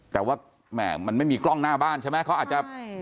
แต่ว่าแหม่มันไม่มีกล้องหน้าบ้านใช่ไหมเขาอาจจะ